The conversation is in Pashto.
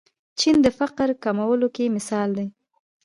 چین د فقر کمولو کې مثال دی.